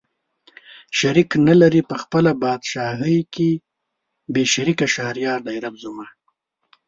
شريک نه لري په خپله پاچاهۍ کې بې شريکه شهريار دئ رب زما